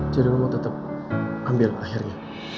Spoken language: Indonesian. jadi lo mau tetep ambil akhirnya